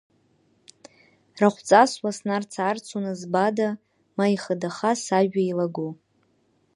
Рахәҵас уа снарца-аарцоны збада, ма ихыдаха сажәа еилаго.